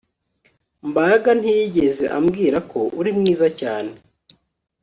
Mbaraga ntiyigeze ambwira ko uri mwiza cyane